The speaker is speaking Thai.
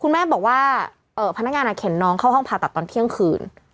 แม่บอกว่าพนักงานเข็นน้องเข้าห้องผ่าตัดตอนเที่ยงคืน